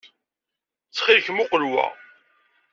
Ttxil-k, muqel wa.